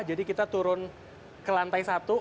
jadi kita turun ke lantai satu